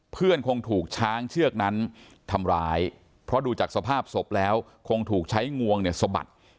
เพื่อนคงถูกช้างเชือกนั้นทำร้ายเพราะดูจากสภาพศพแล้วคงถูกใช้งวงเนี่ยสะบัด